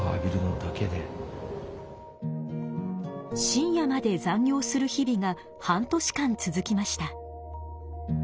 深夜まで残業する日々が半年間続きました。